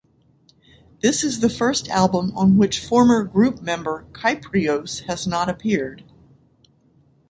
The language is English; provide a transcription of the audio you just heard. This is the first album on which former group member Kyprios has not appeared.